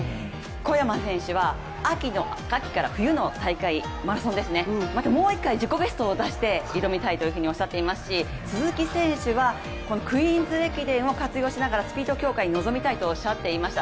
小山選手は秋から冬の大会マラソン、またもう一回自己ベストを出して挑みたいというふうにおっしゃっていますし鈴木選手はクイーンズ駅伝を活用しながらスピード強化に挑みたいとおっしゃっていました。